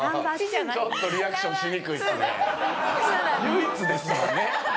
唯一ですもんね。